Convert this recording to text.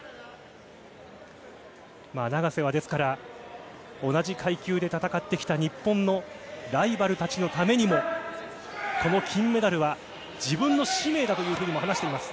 永瀬はですから、同じ階級で戦ってきた日本のライバルたちのためにも、この金メダルは、自分の使命だというふうにも話しています。